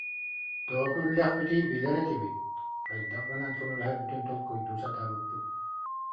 Тоҕо күллэхпитий, билэр этибит, хайдах гынан көмөлөһөрбүтүн толкуйдуу сатаабыппыт